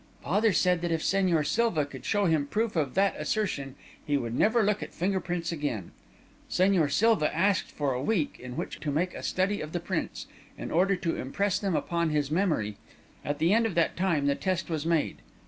"Father said that if Señor Silva could show him proof of that assertion, he would never look at finger prints again. Señor Silva asked for a week in which to make a study of the prints, in order to impress them upon his memory; at the end of that time, the test was made.